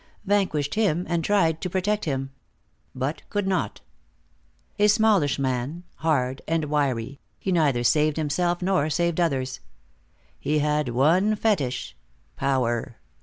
Vanquished him and tried to protect him. But could not. A smallish man, hard and wiry, he neither saved himself nor saved others. He had one fetish, power.